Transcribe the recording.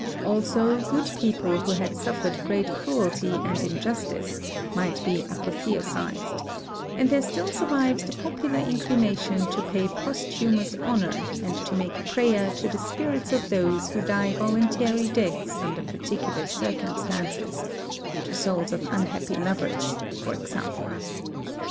Also good people who had suffered great cruelty and injustice might be apotheosized ; and there still survives the popular inclination to pay posthumous honor and to make prayer to the spirits of those who die voluntary deaths under particular circumstances, — to souls of unhappy lovers, for example.